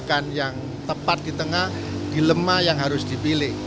kebijakan yang tepat di tengah dilema yang harus dipilih